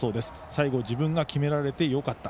最後、自分が決められてよかった。